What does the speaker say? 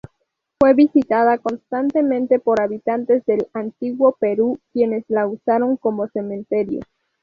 Fue visitada constantemente por habitantes del Antiguo Perú quienes la usaron como cementerio.